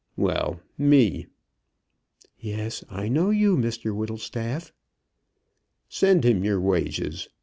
"Well; me." "Yes, I know you, Mr Whittlestaff." "Send him your wages.